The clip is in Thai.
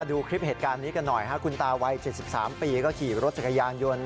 ดูคลิปเหตุการณ์นี้กันหน่อยคุณตาวัย๗๓ปีก็ขี่รถจักรยานยนต์